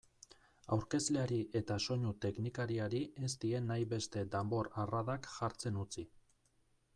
Aurkezleari eta soinu-teknikariari ez die nahi beste danbor-arradak jartzen utzi.